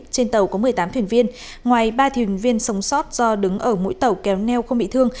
trên tàu có một mươi tám thuyền viên ngoài ba thuyền viên sống sót do đứng ở mỗi tàu kéo neo không bị thương